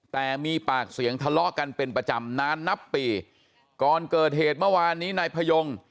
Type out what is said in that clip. แต่มีปากเสียงทะเลาะกันเป็นประจำนานนับปีก่อนเกิดเหตุเมื่อวานนี้นายพยง